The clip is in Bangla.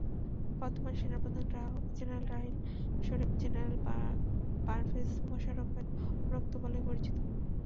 বর্তমান সেনাপ্রধান জেনারেল রাহিল শরিফ জেনারেল পারভেজ মোশাররফের অনুরক্ত বলেই পরিচিত।